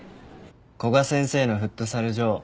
古賀先生のフットサル場